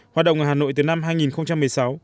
hoạt động ở hà nội từ năm hai nghìn một mươi sáu